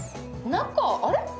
中、あれ？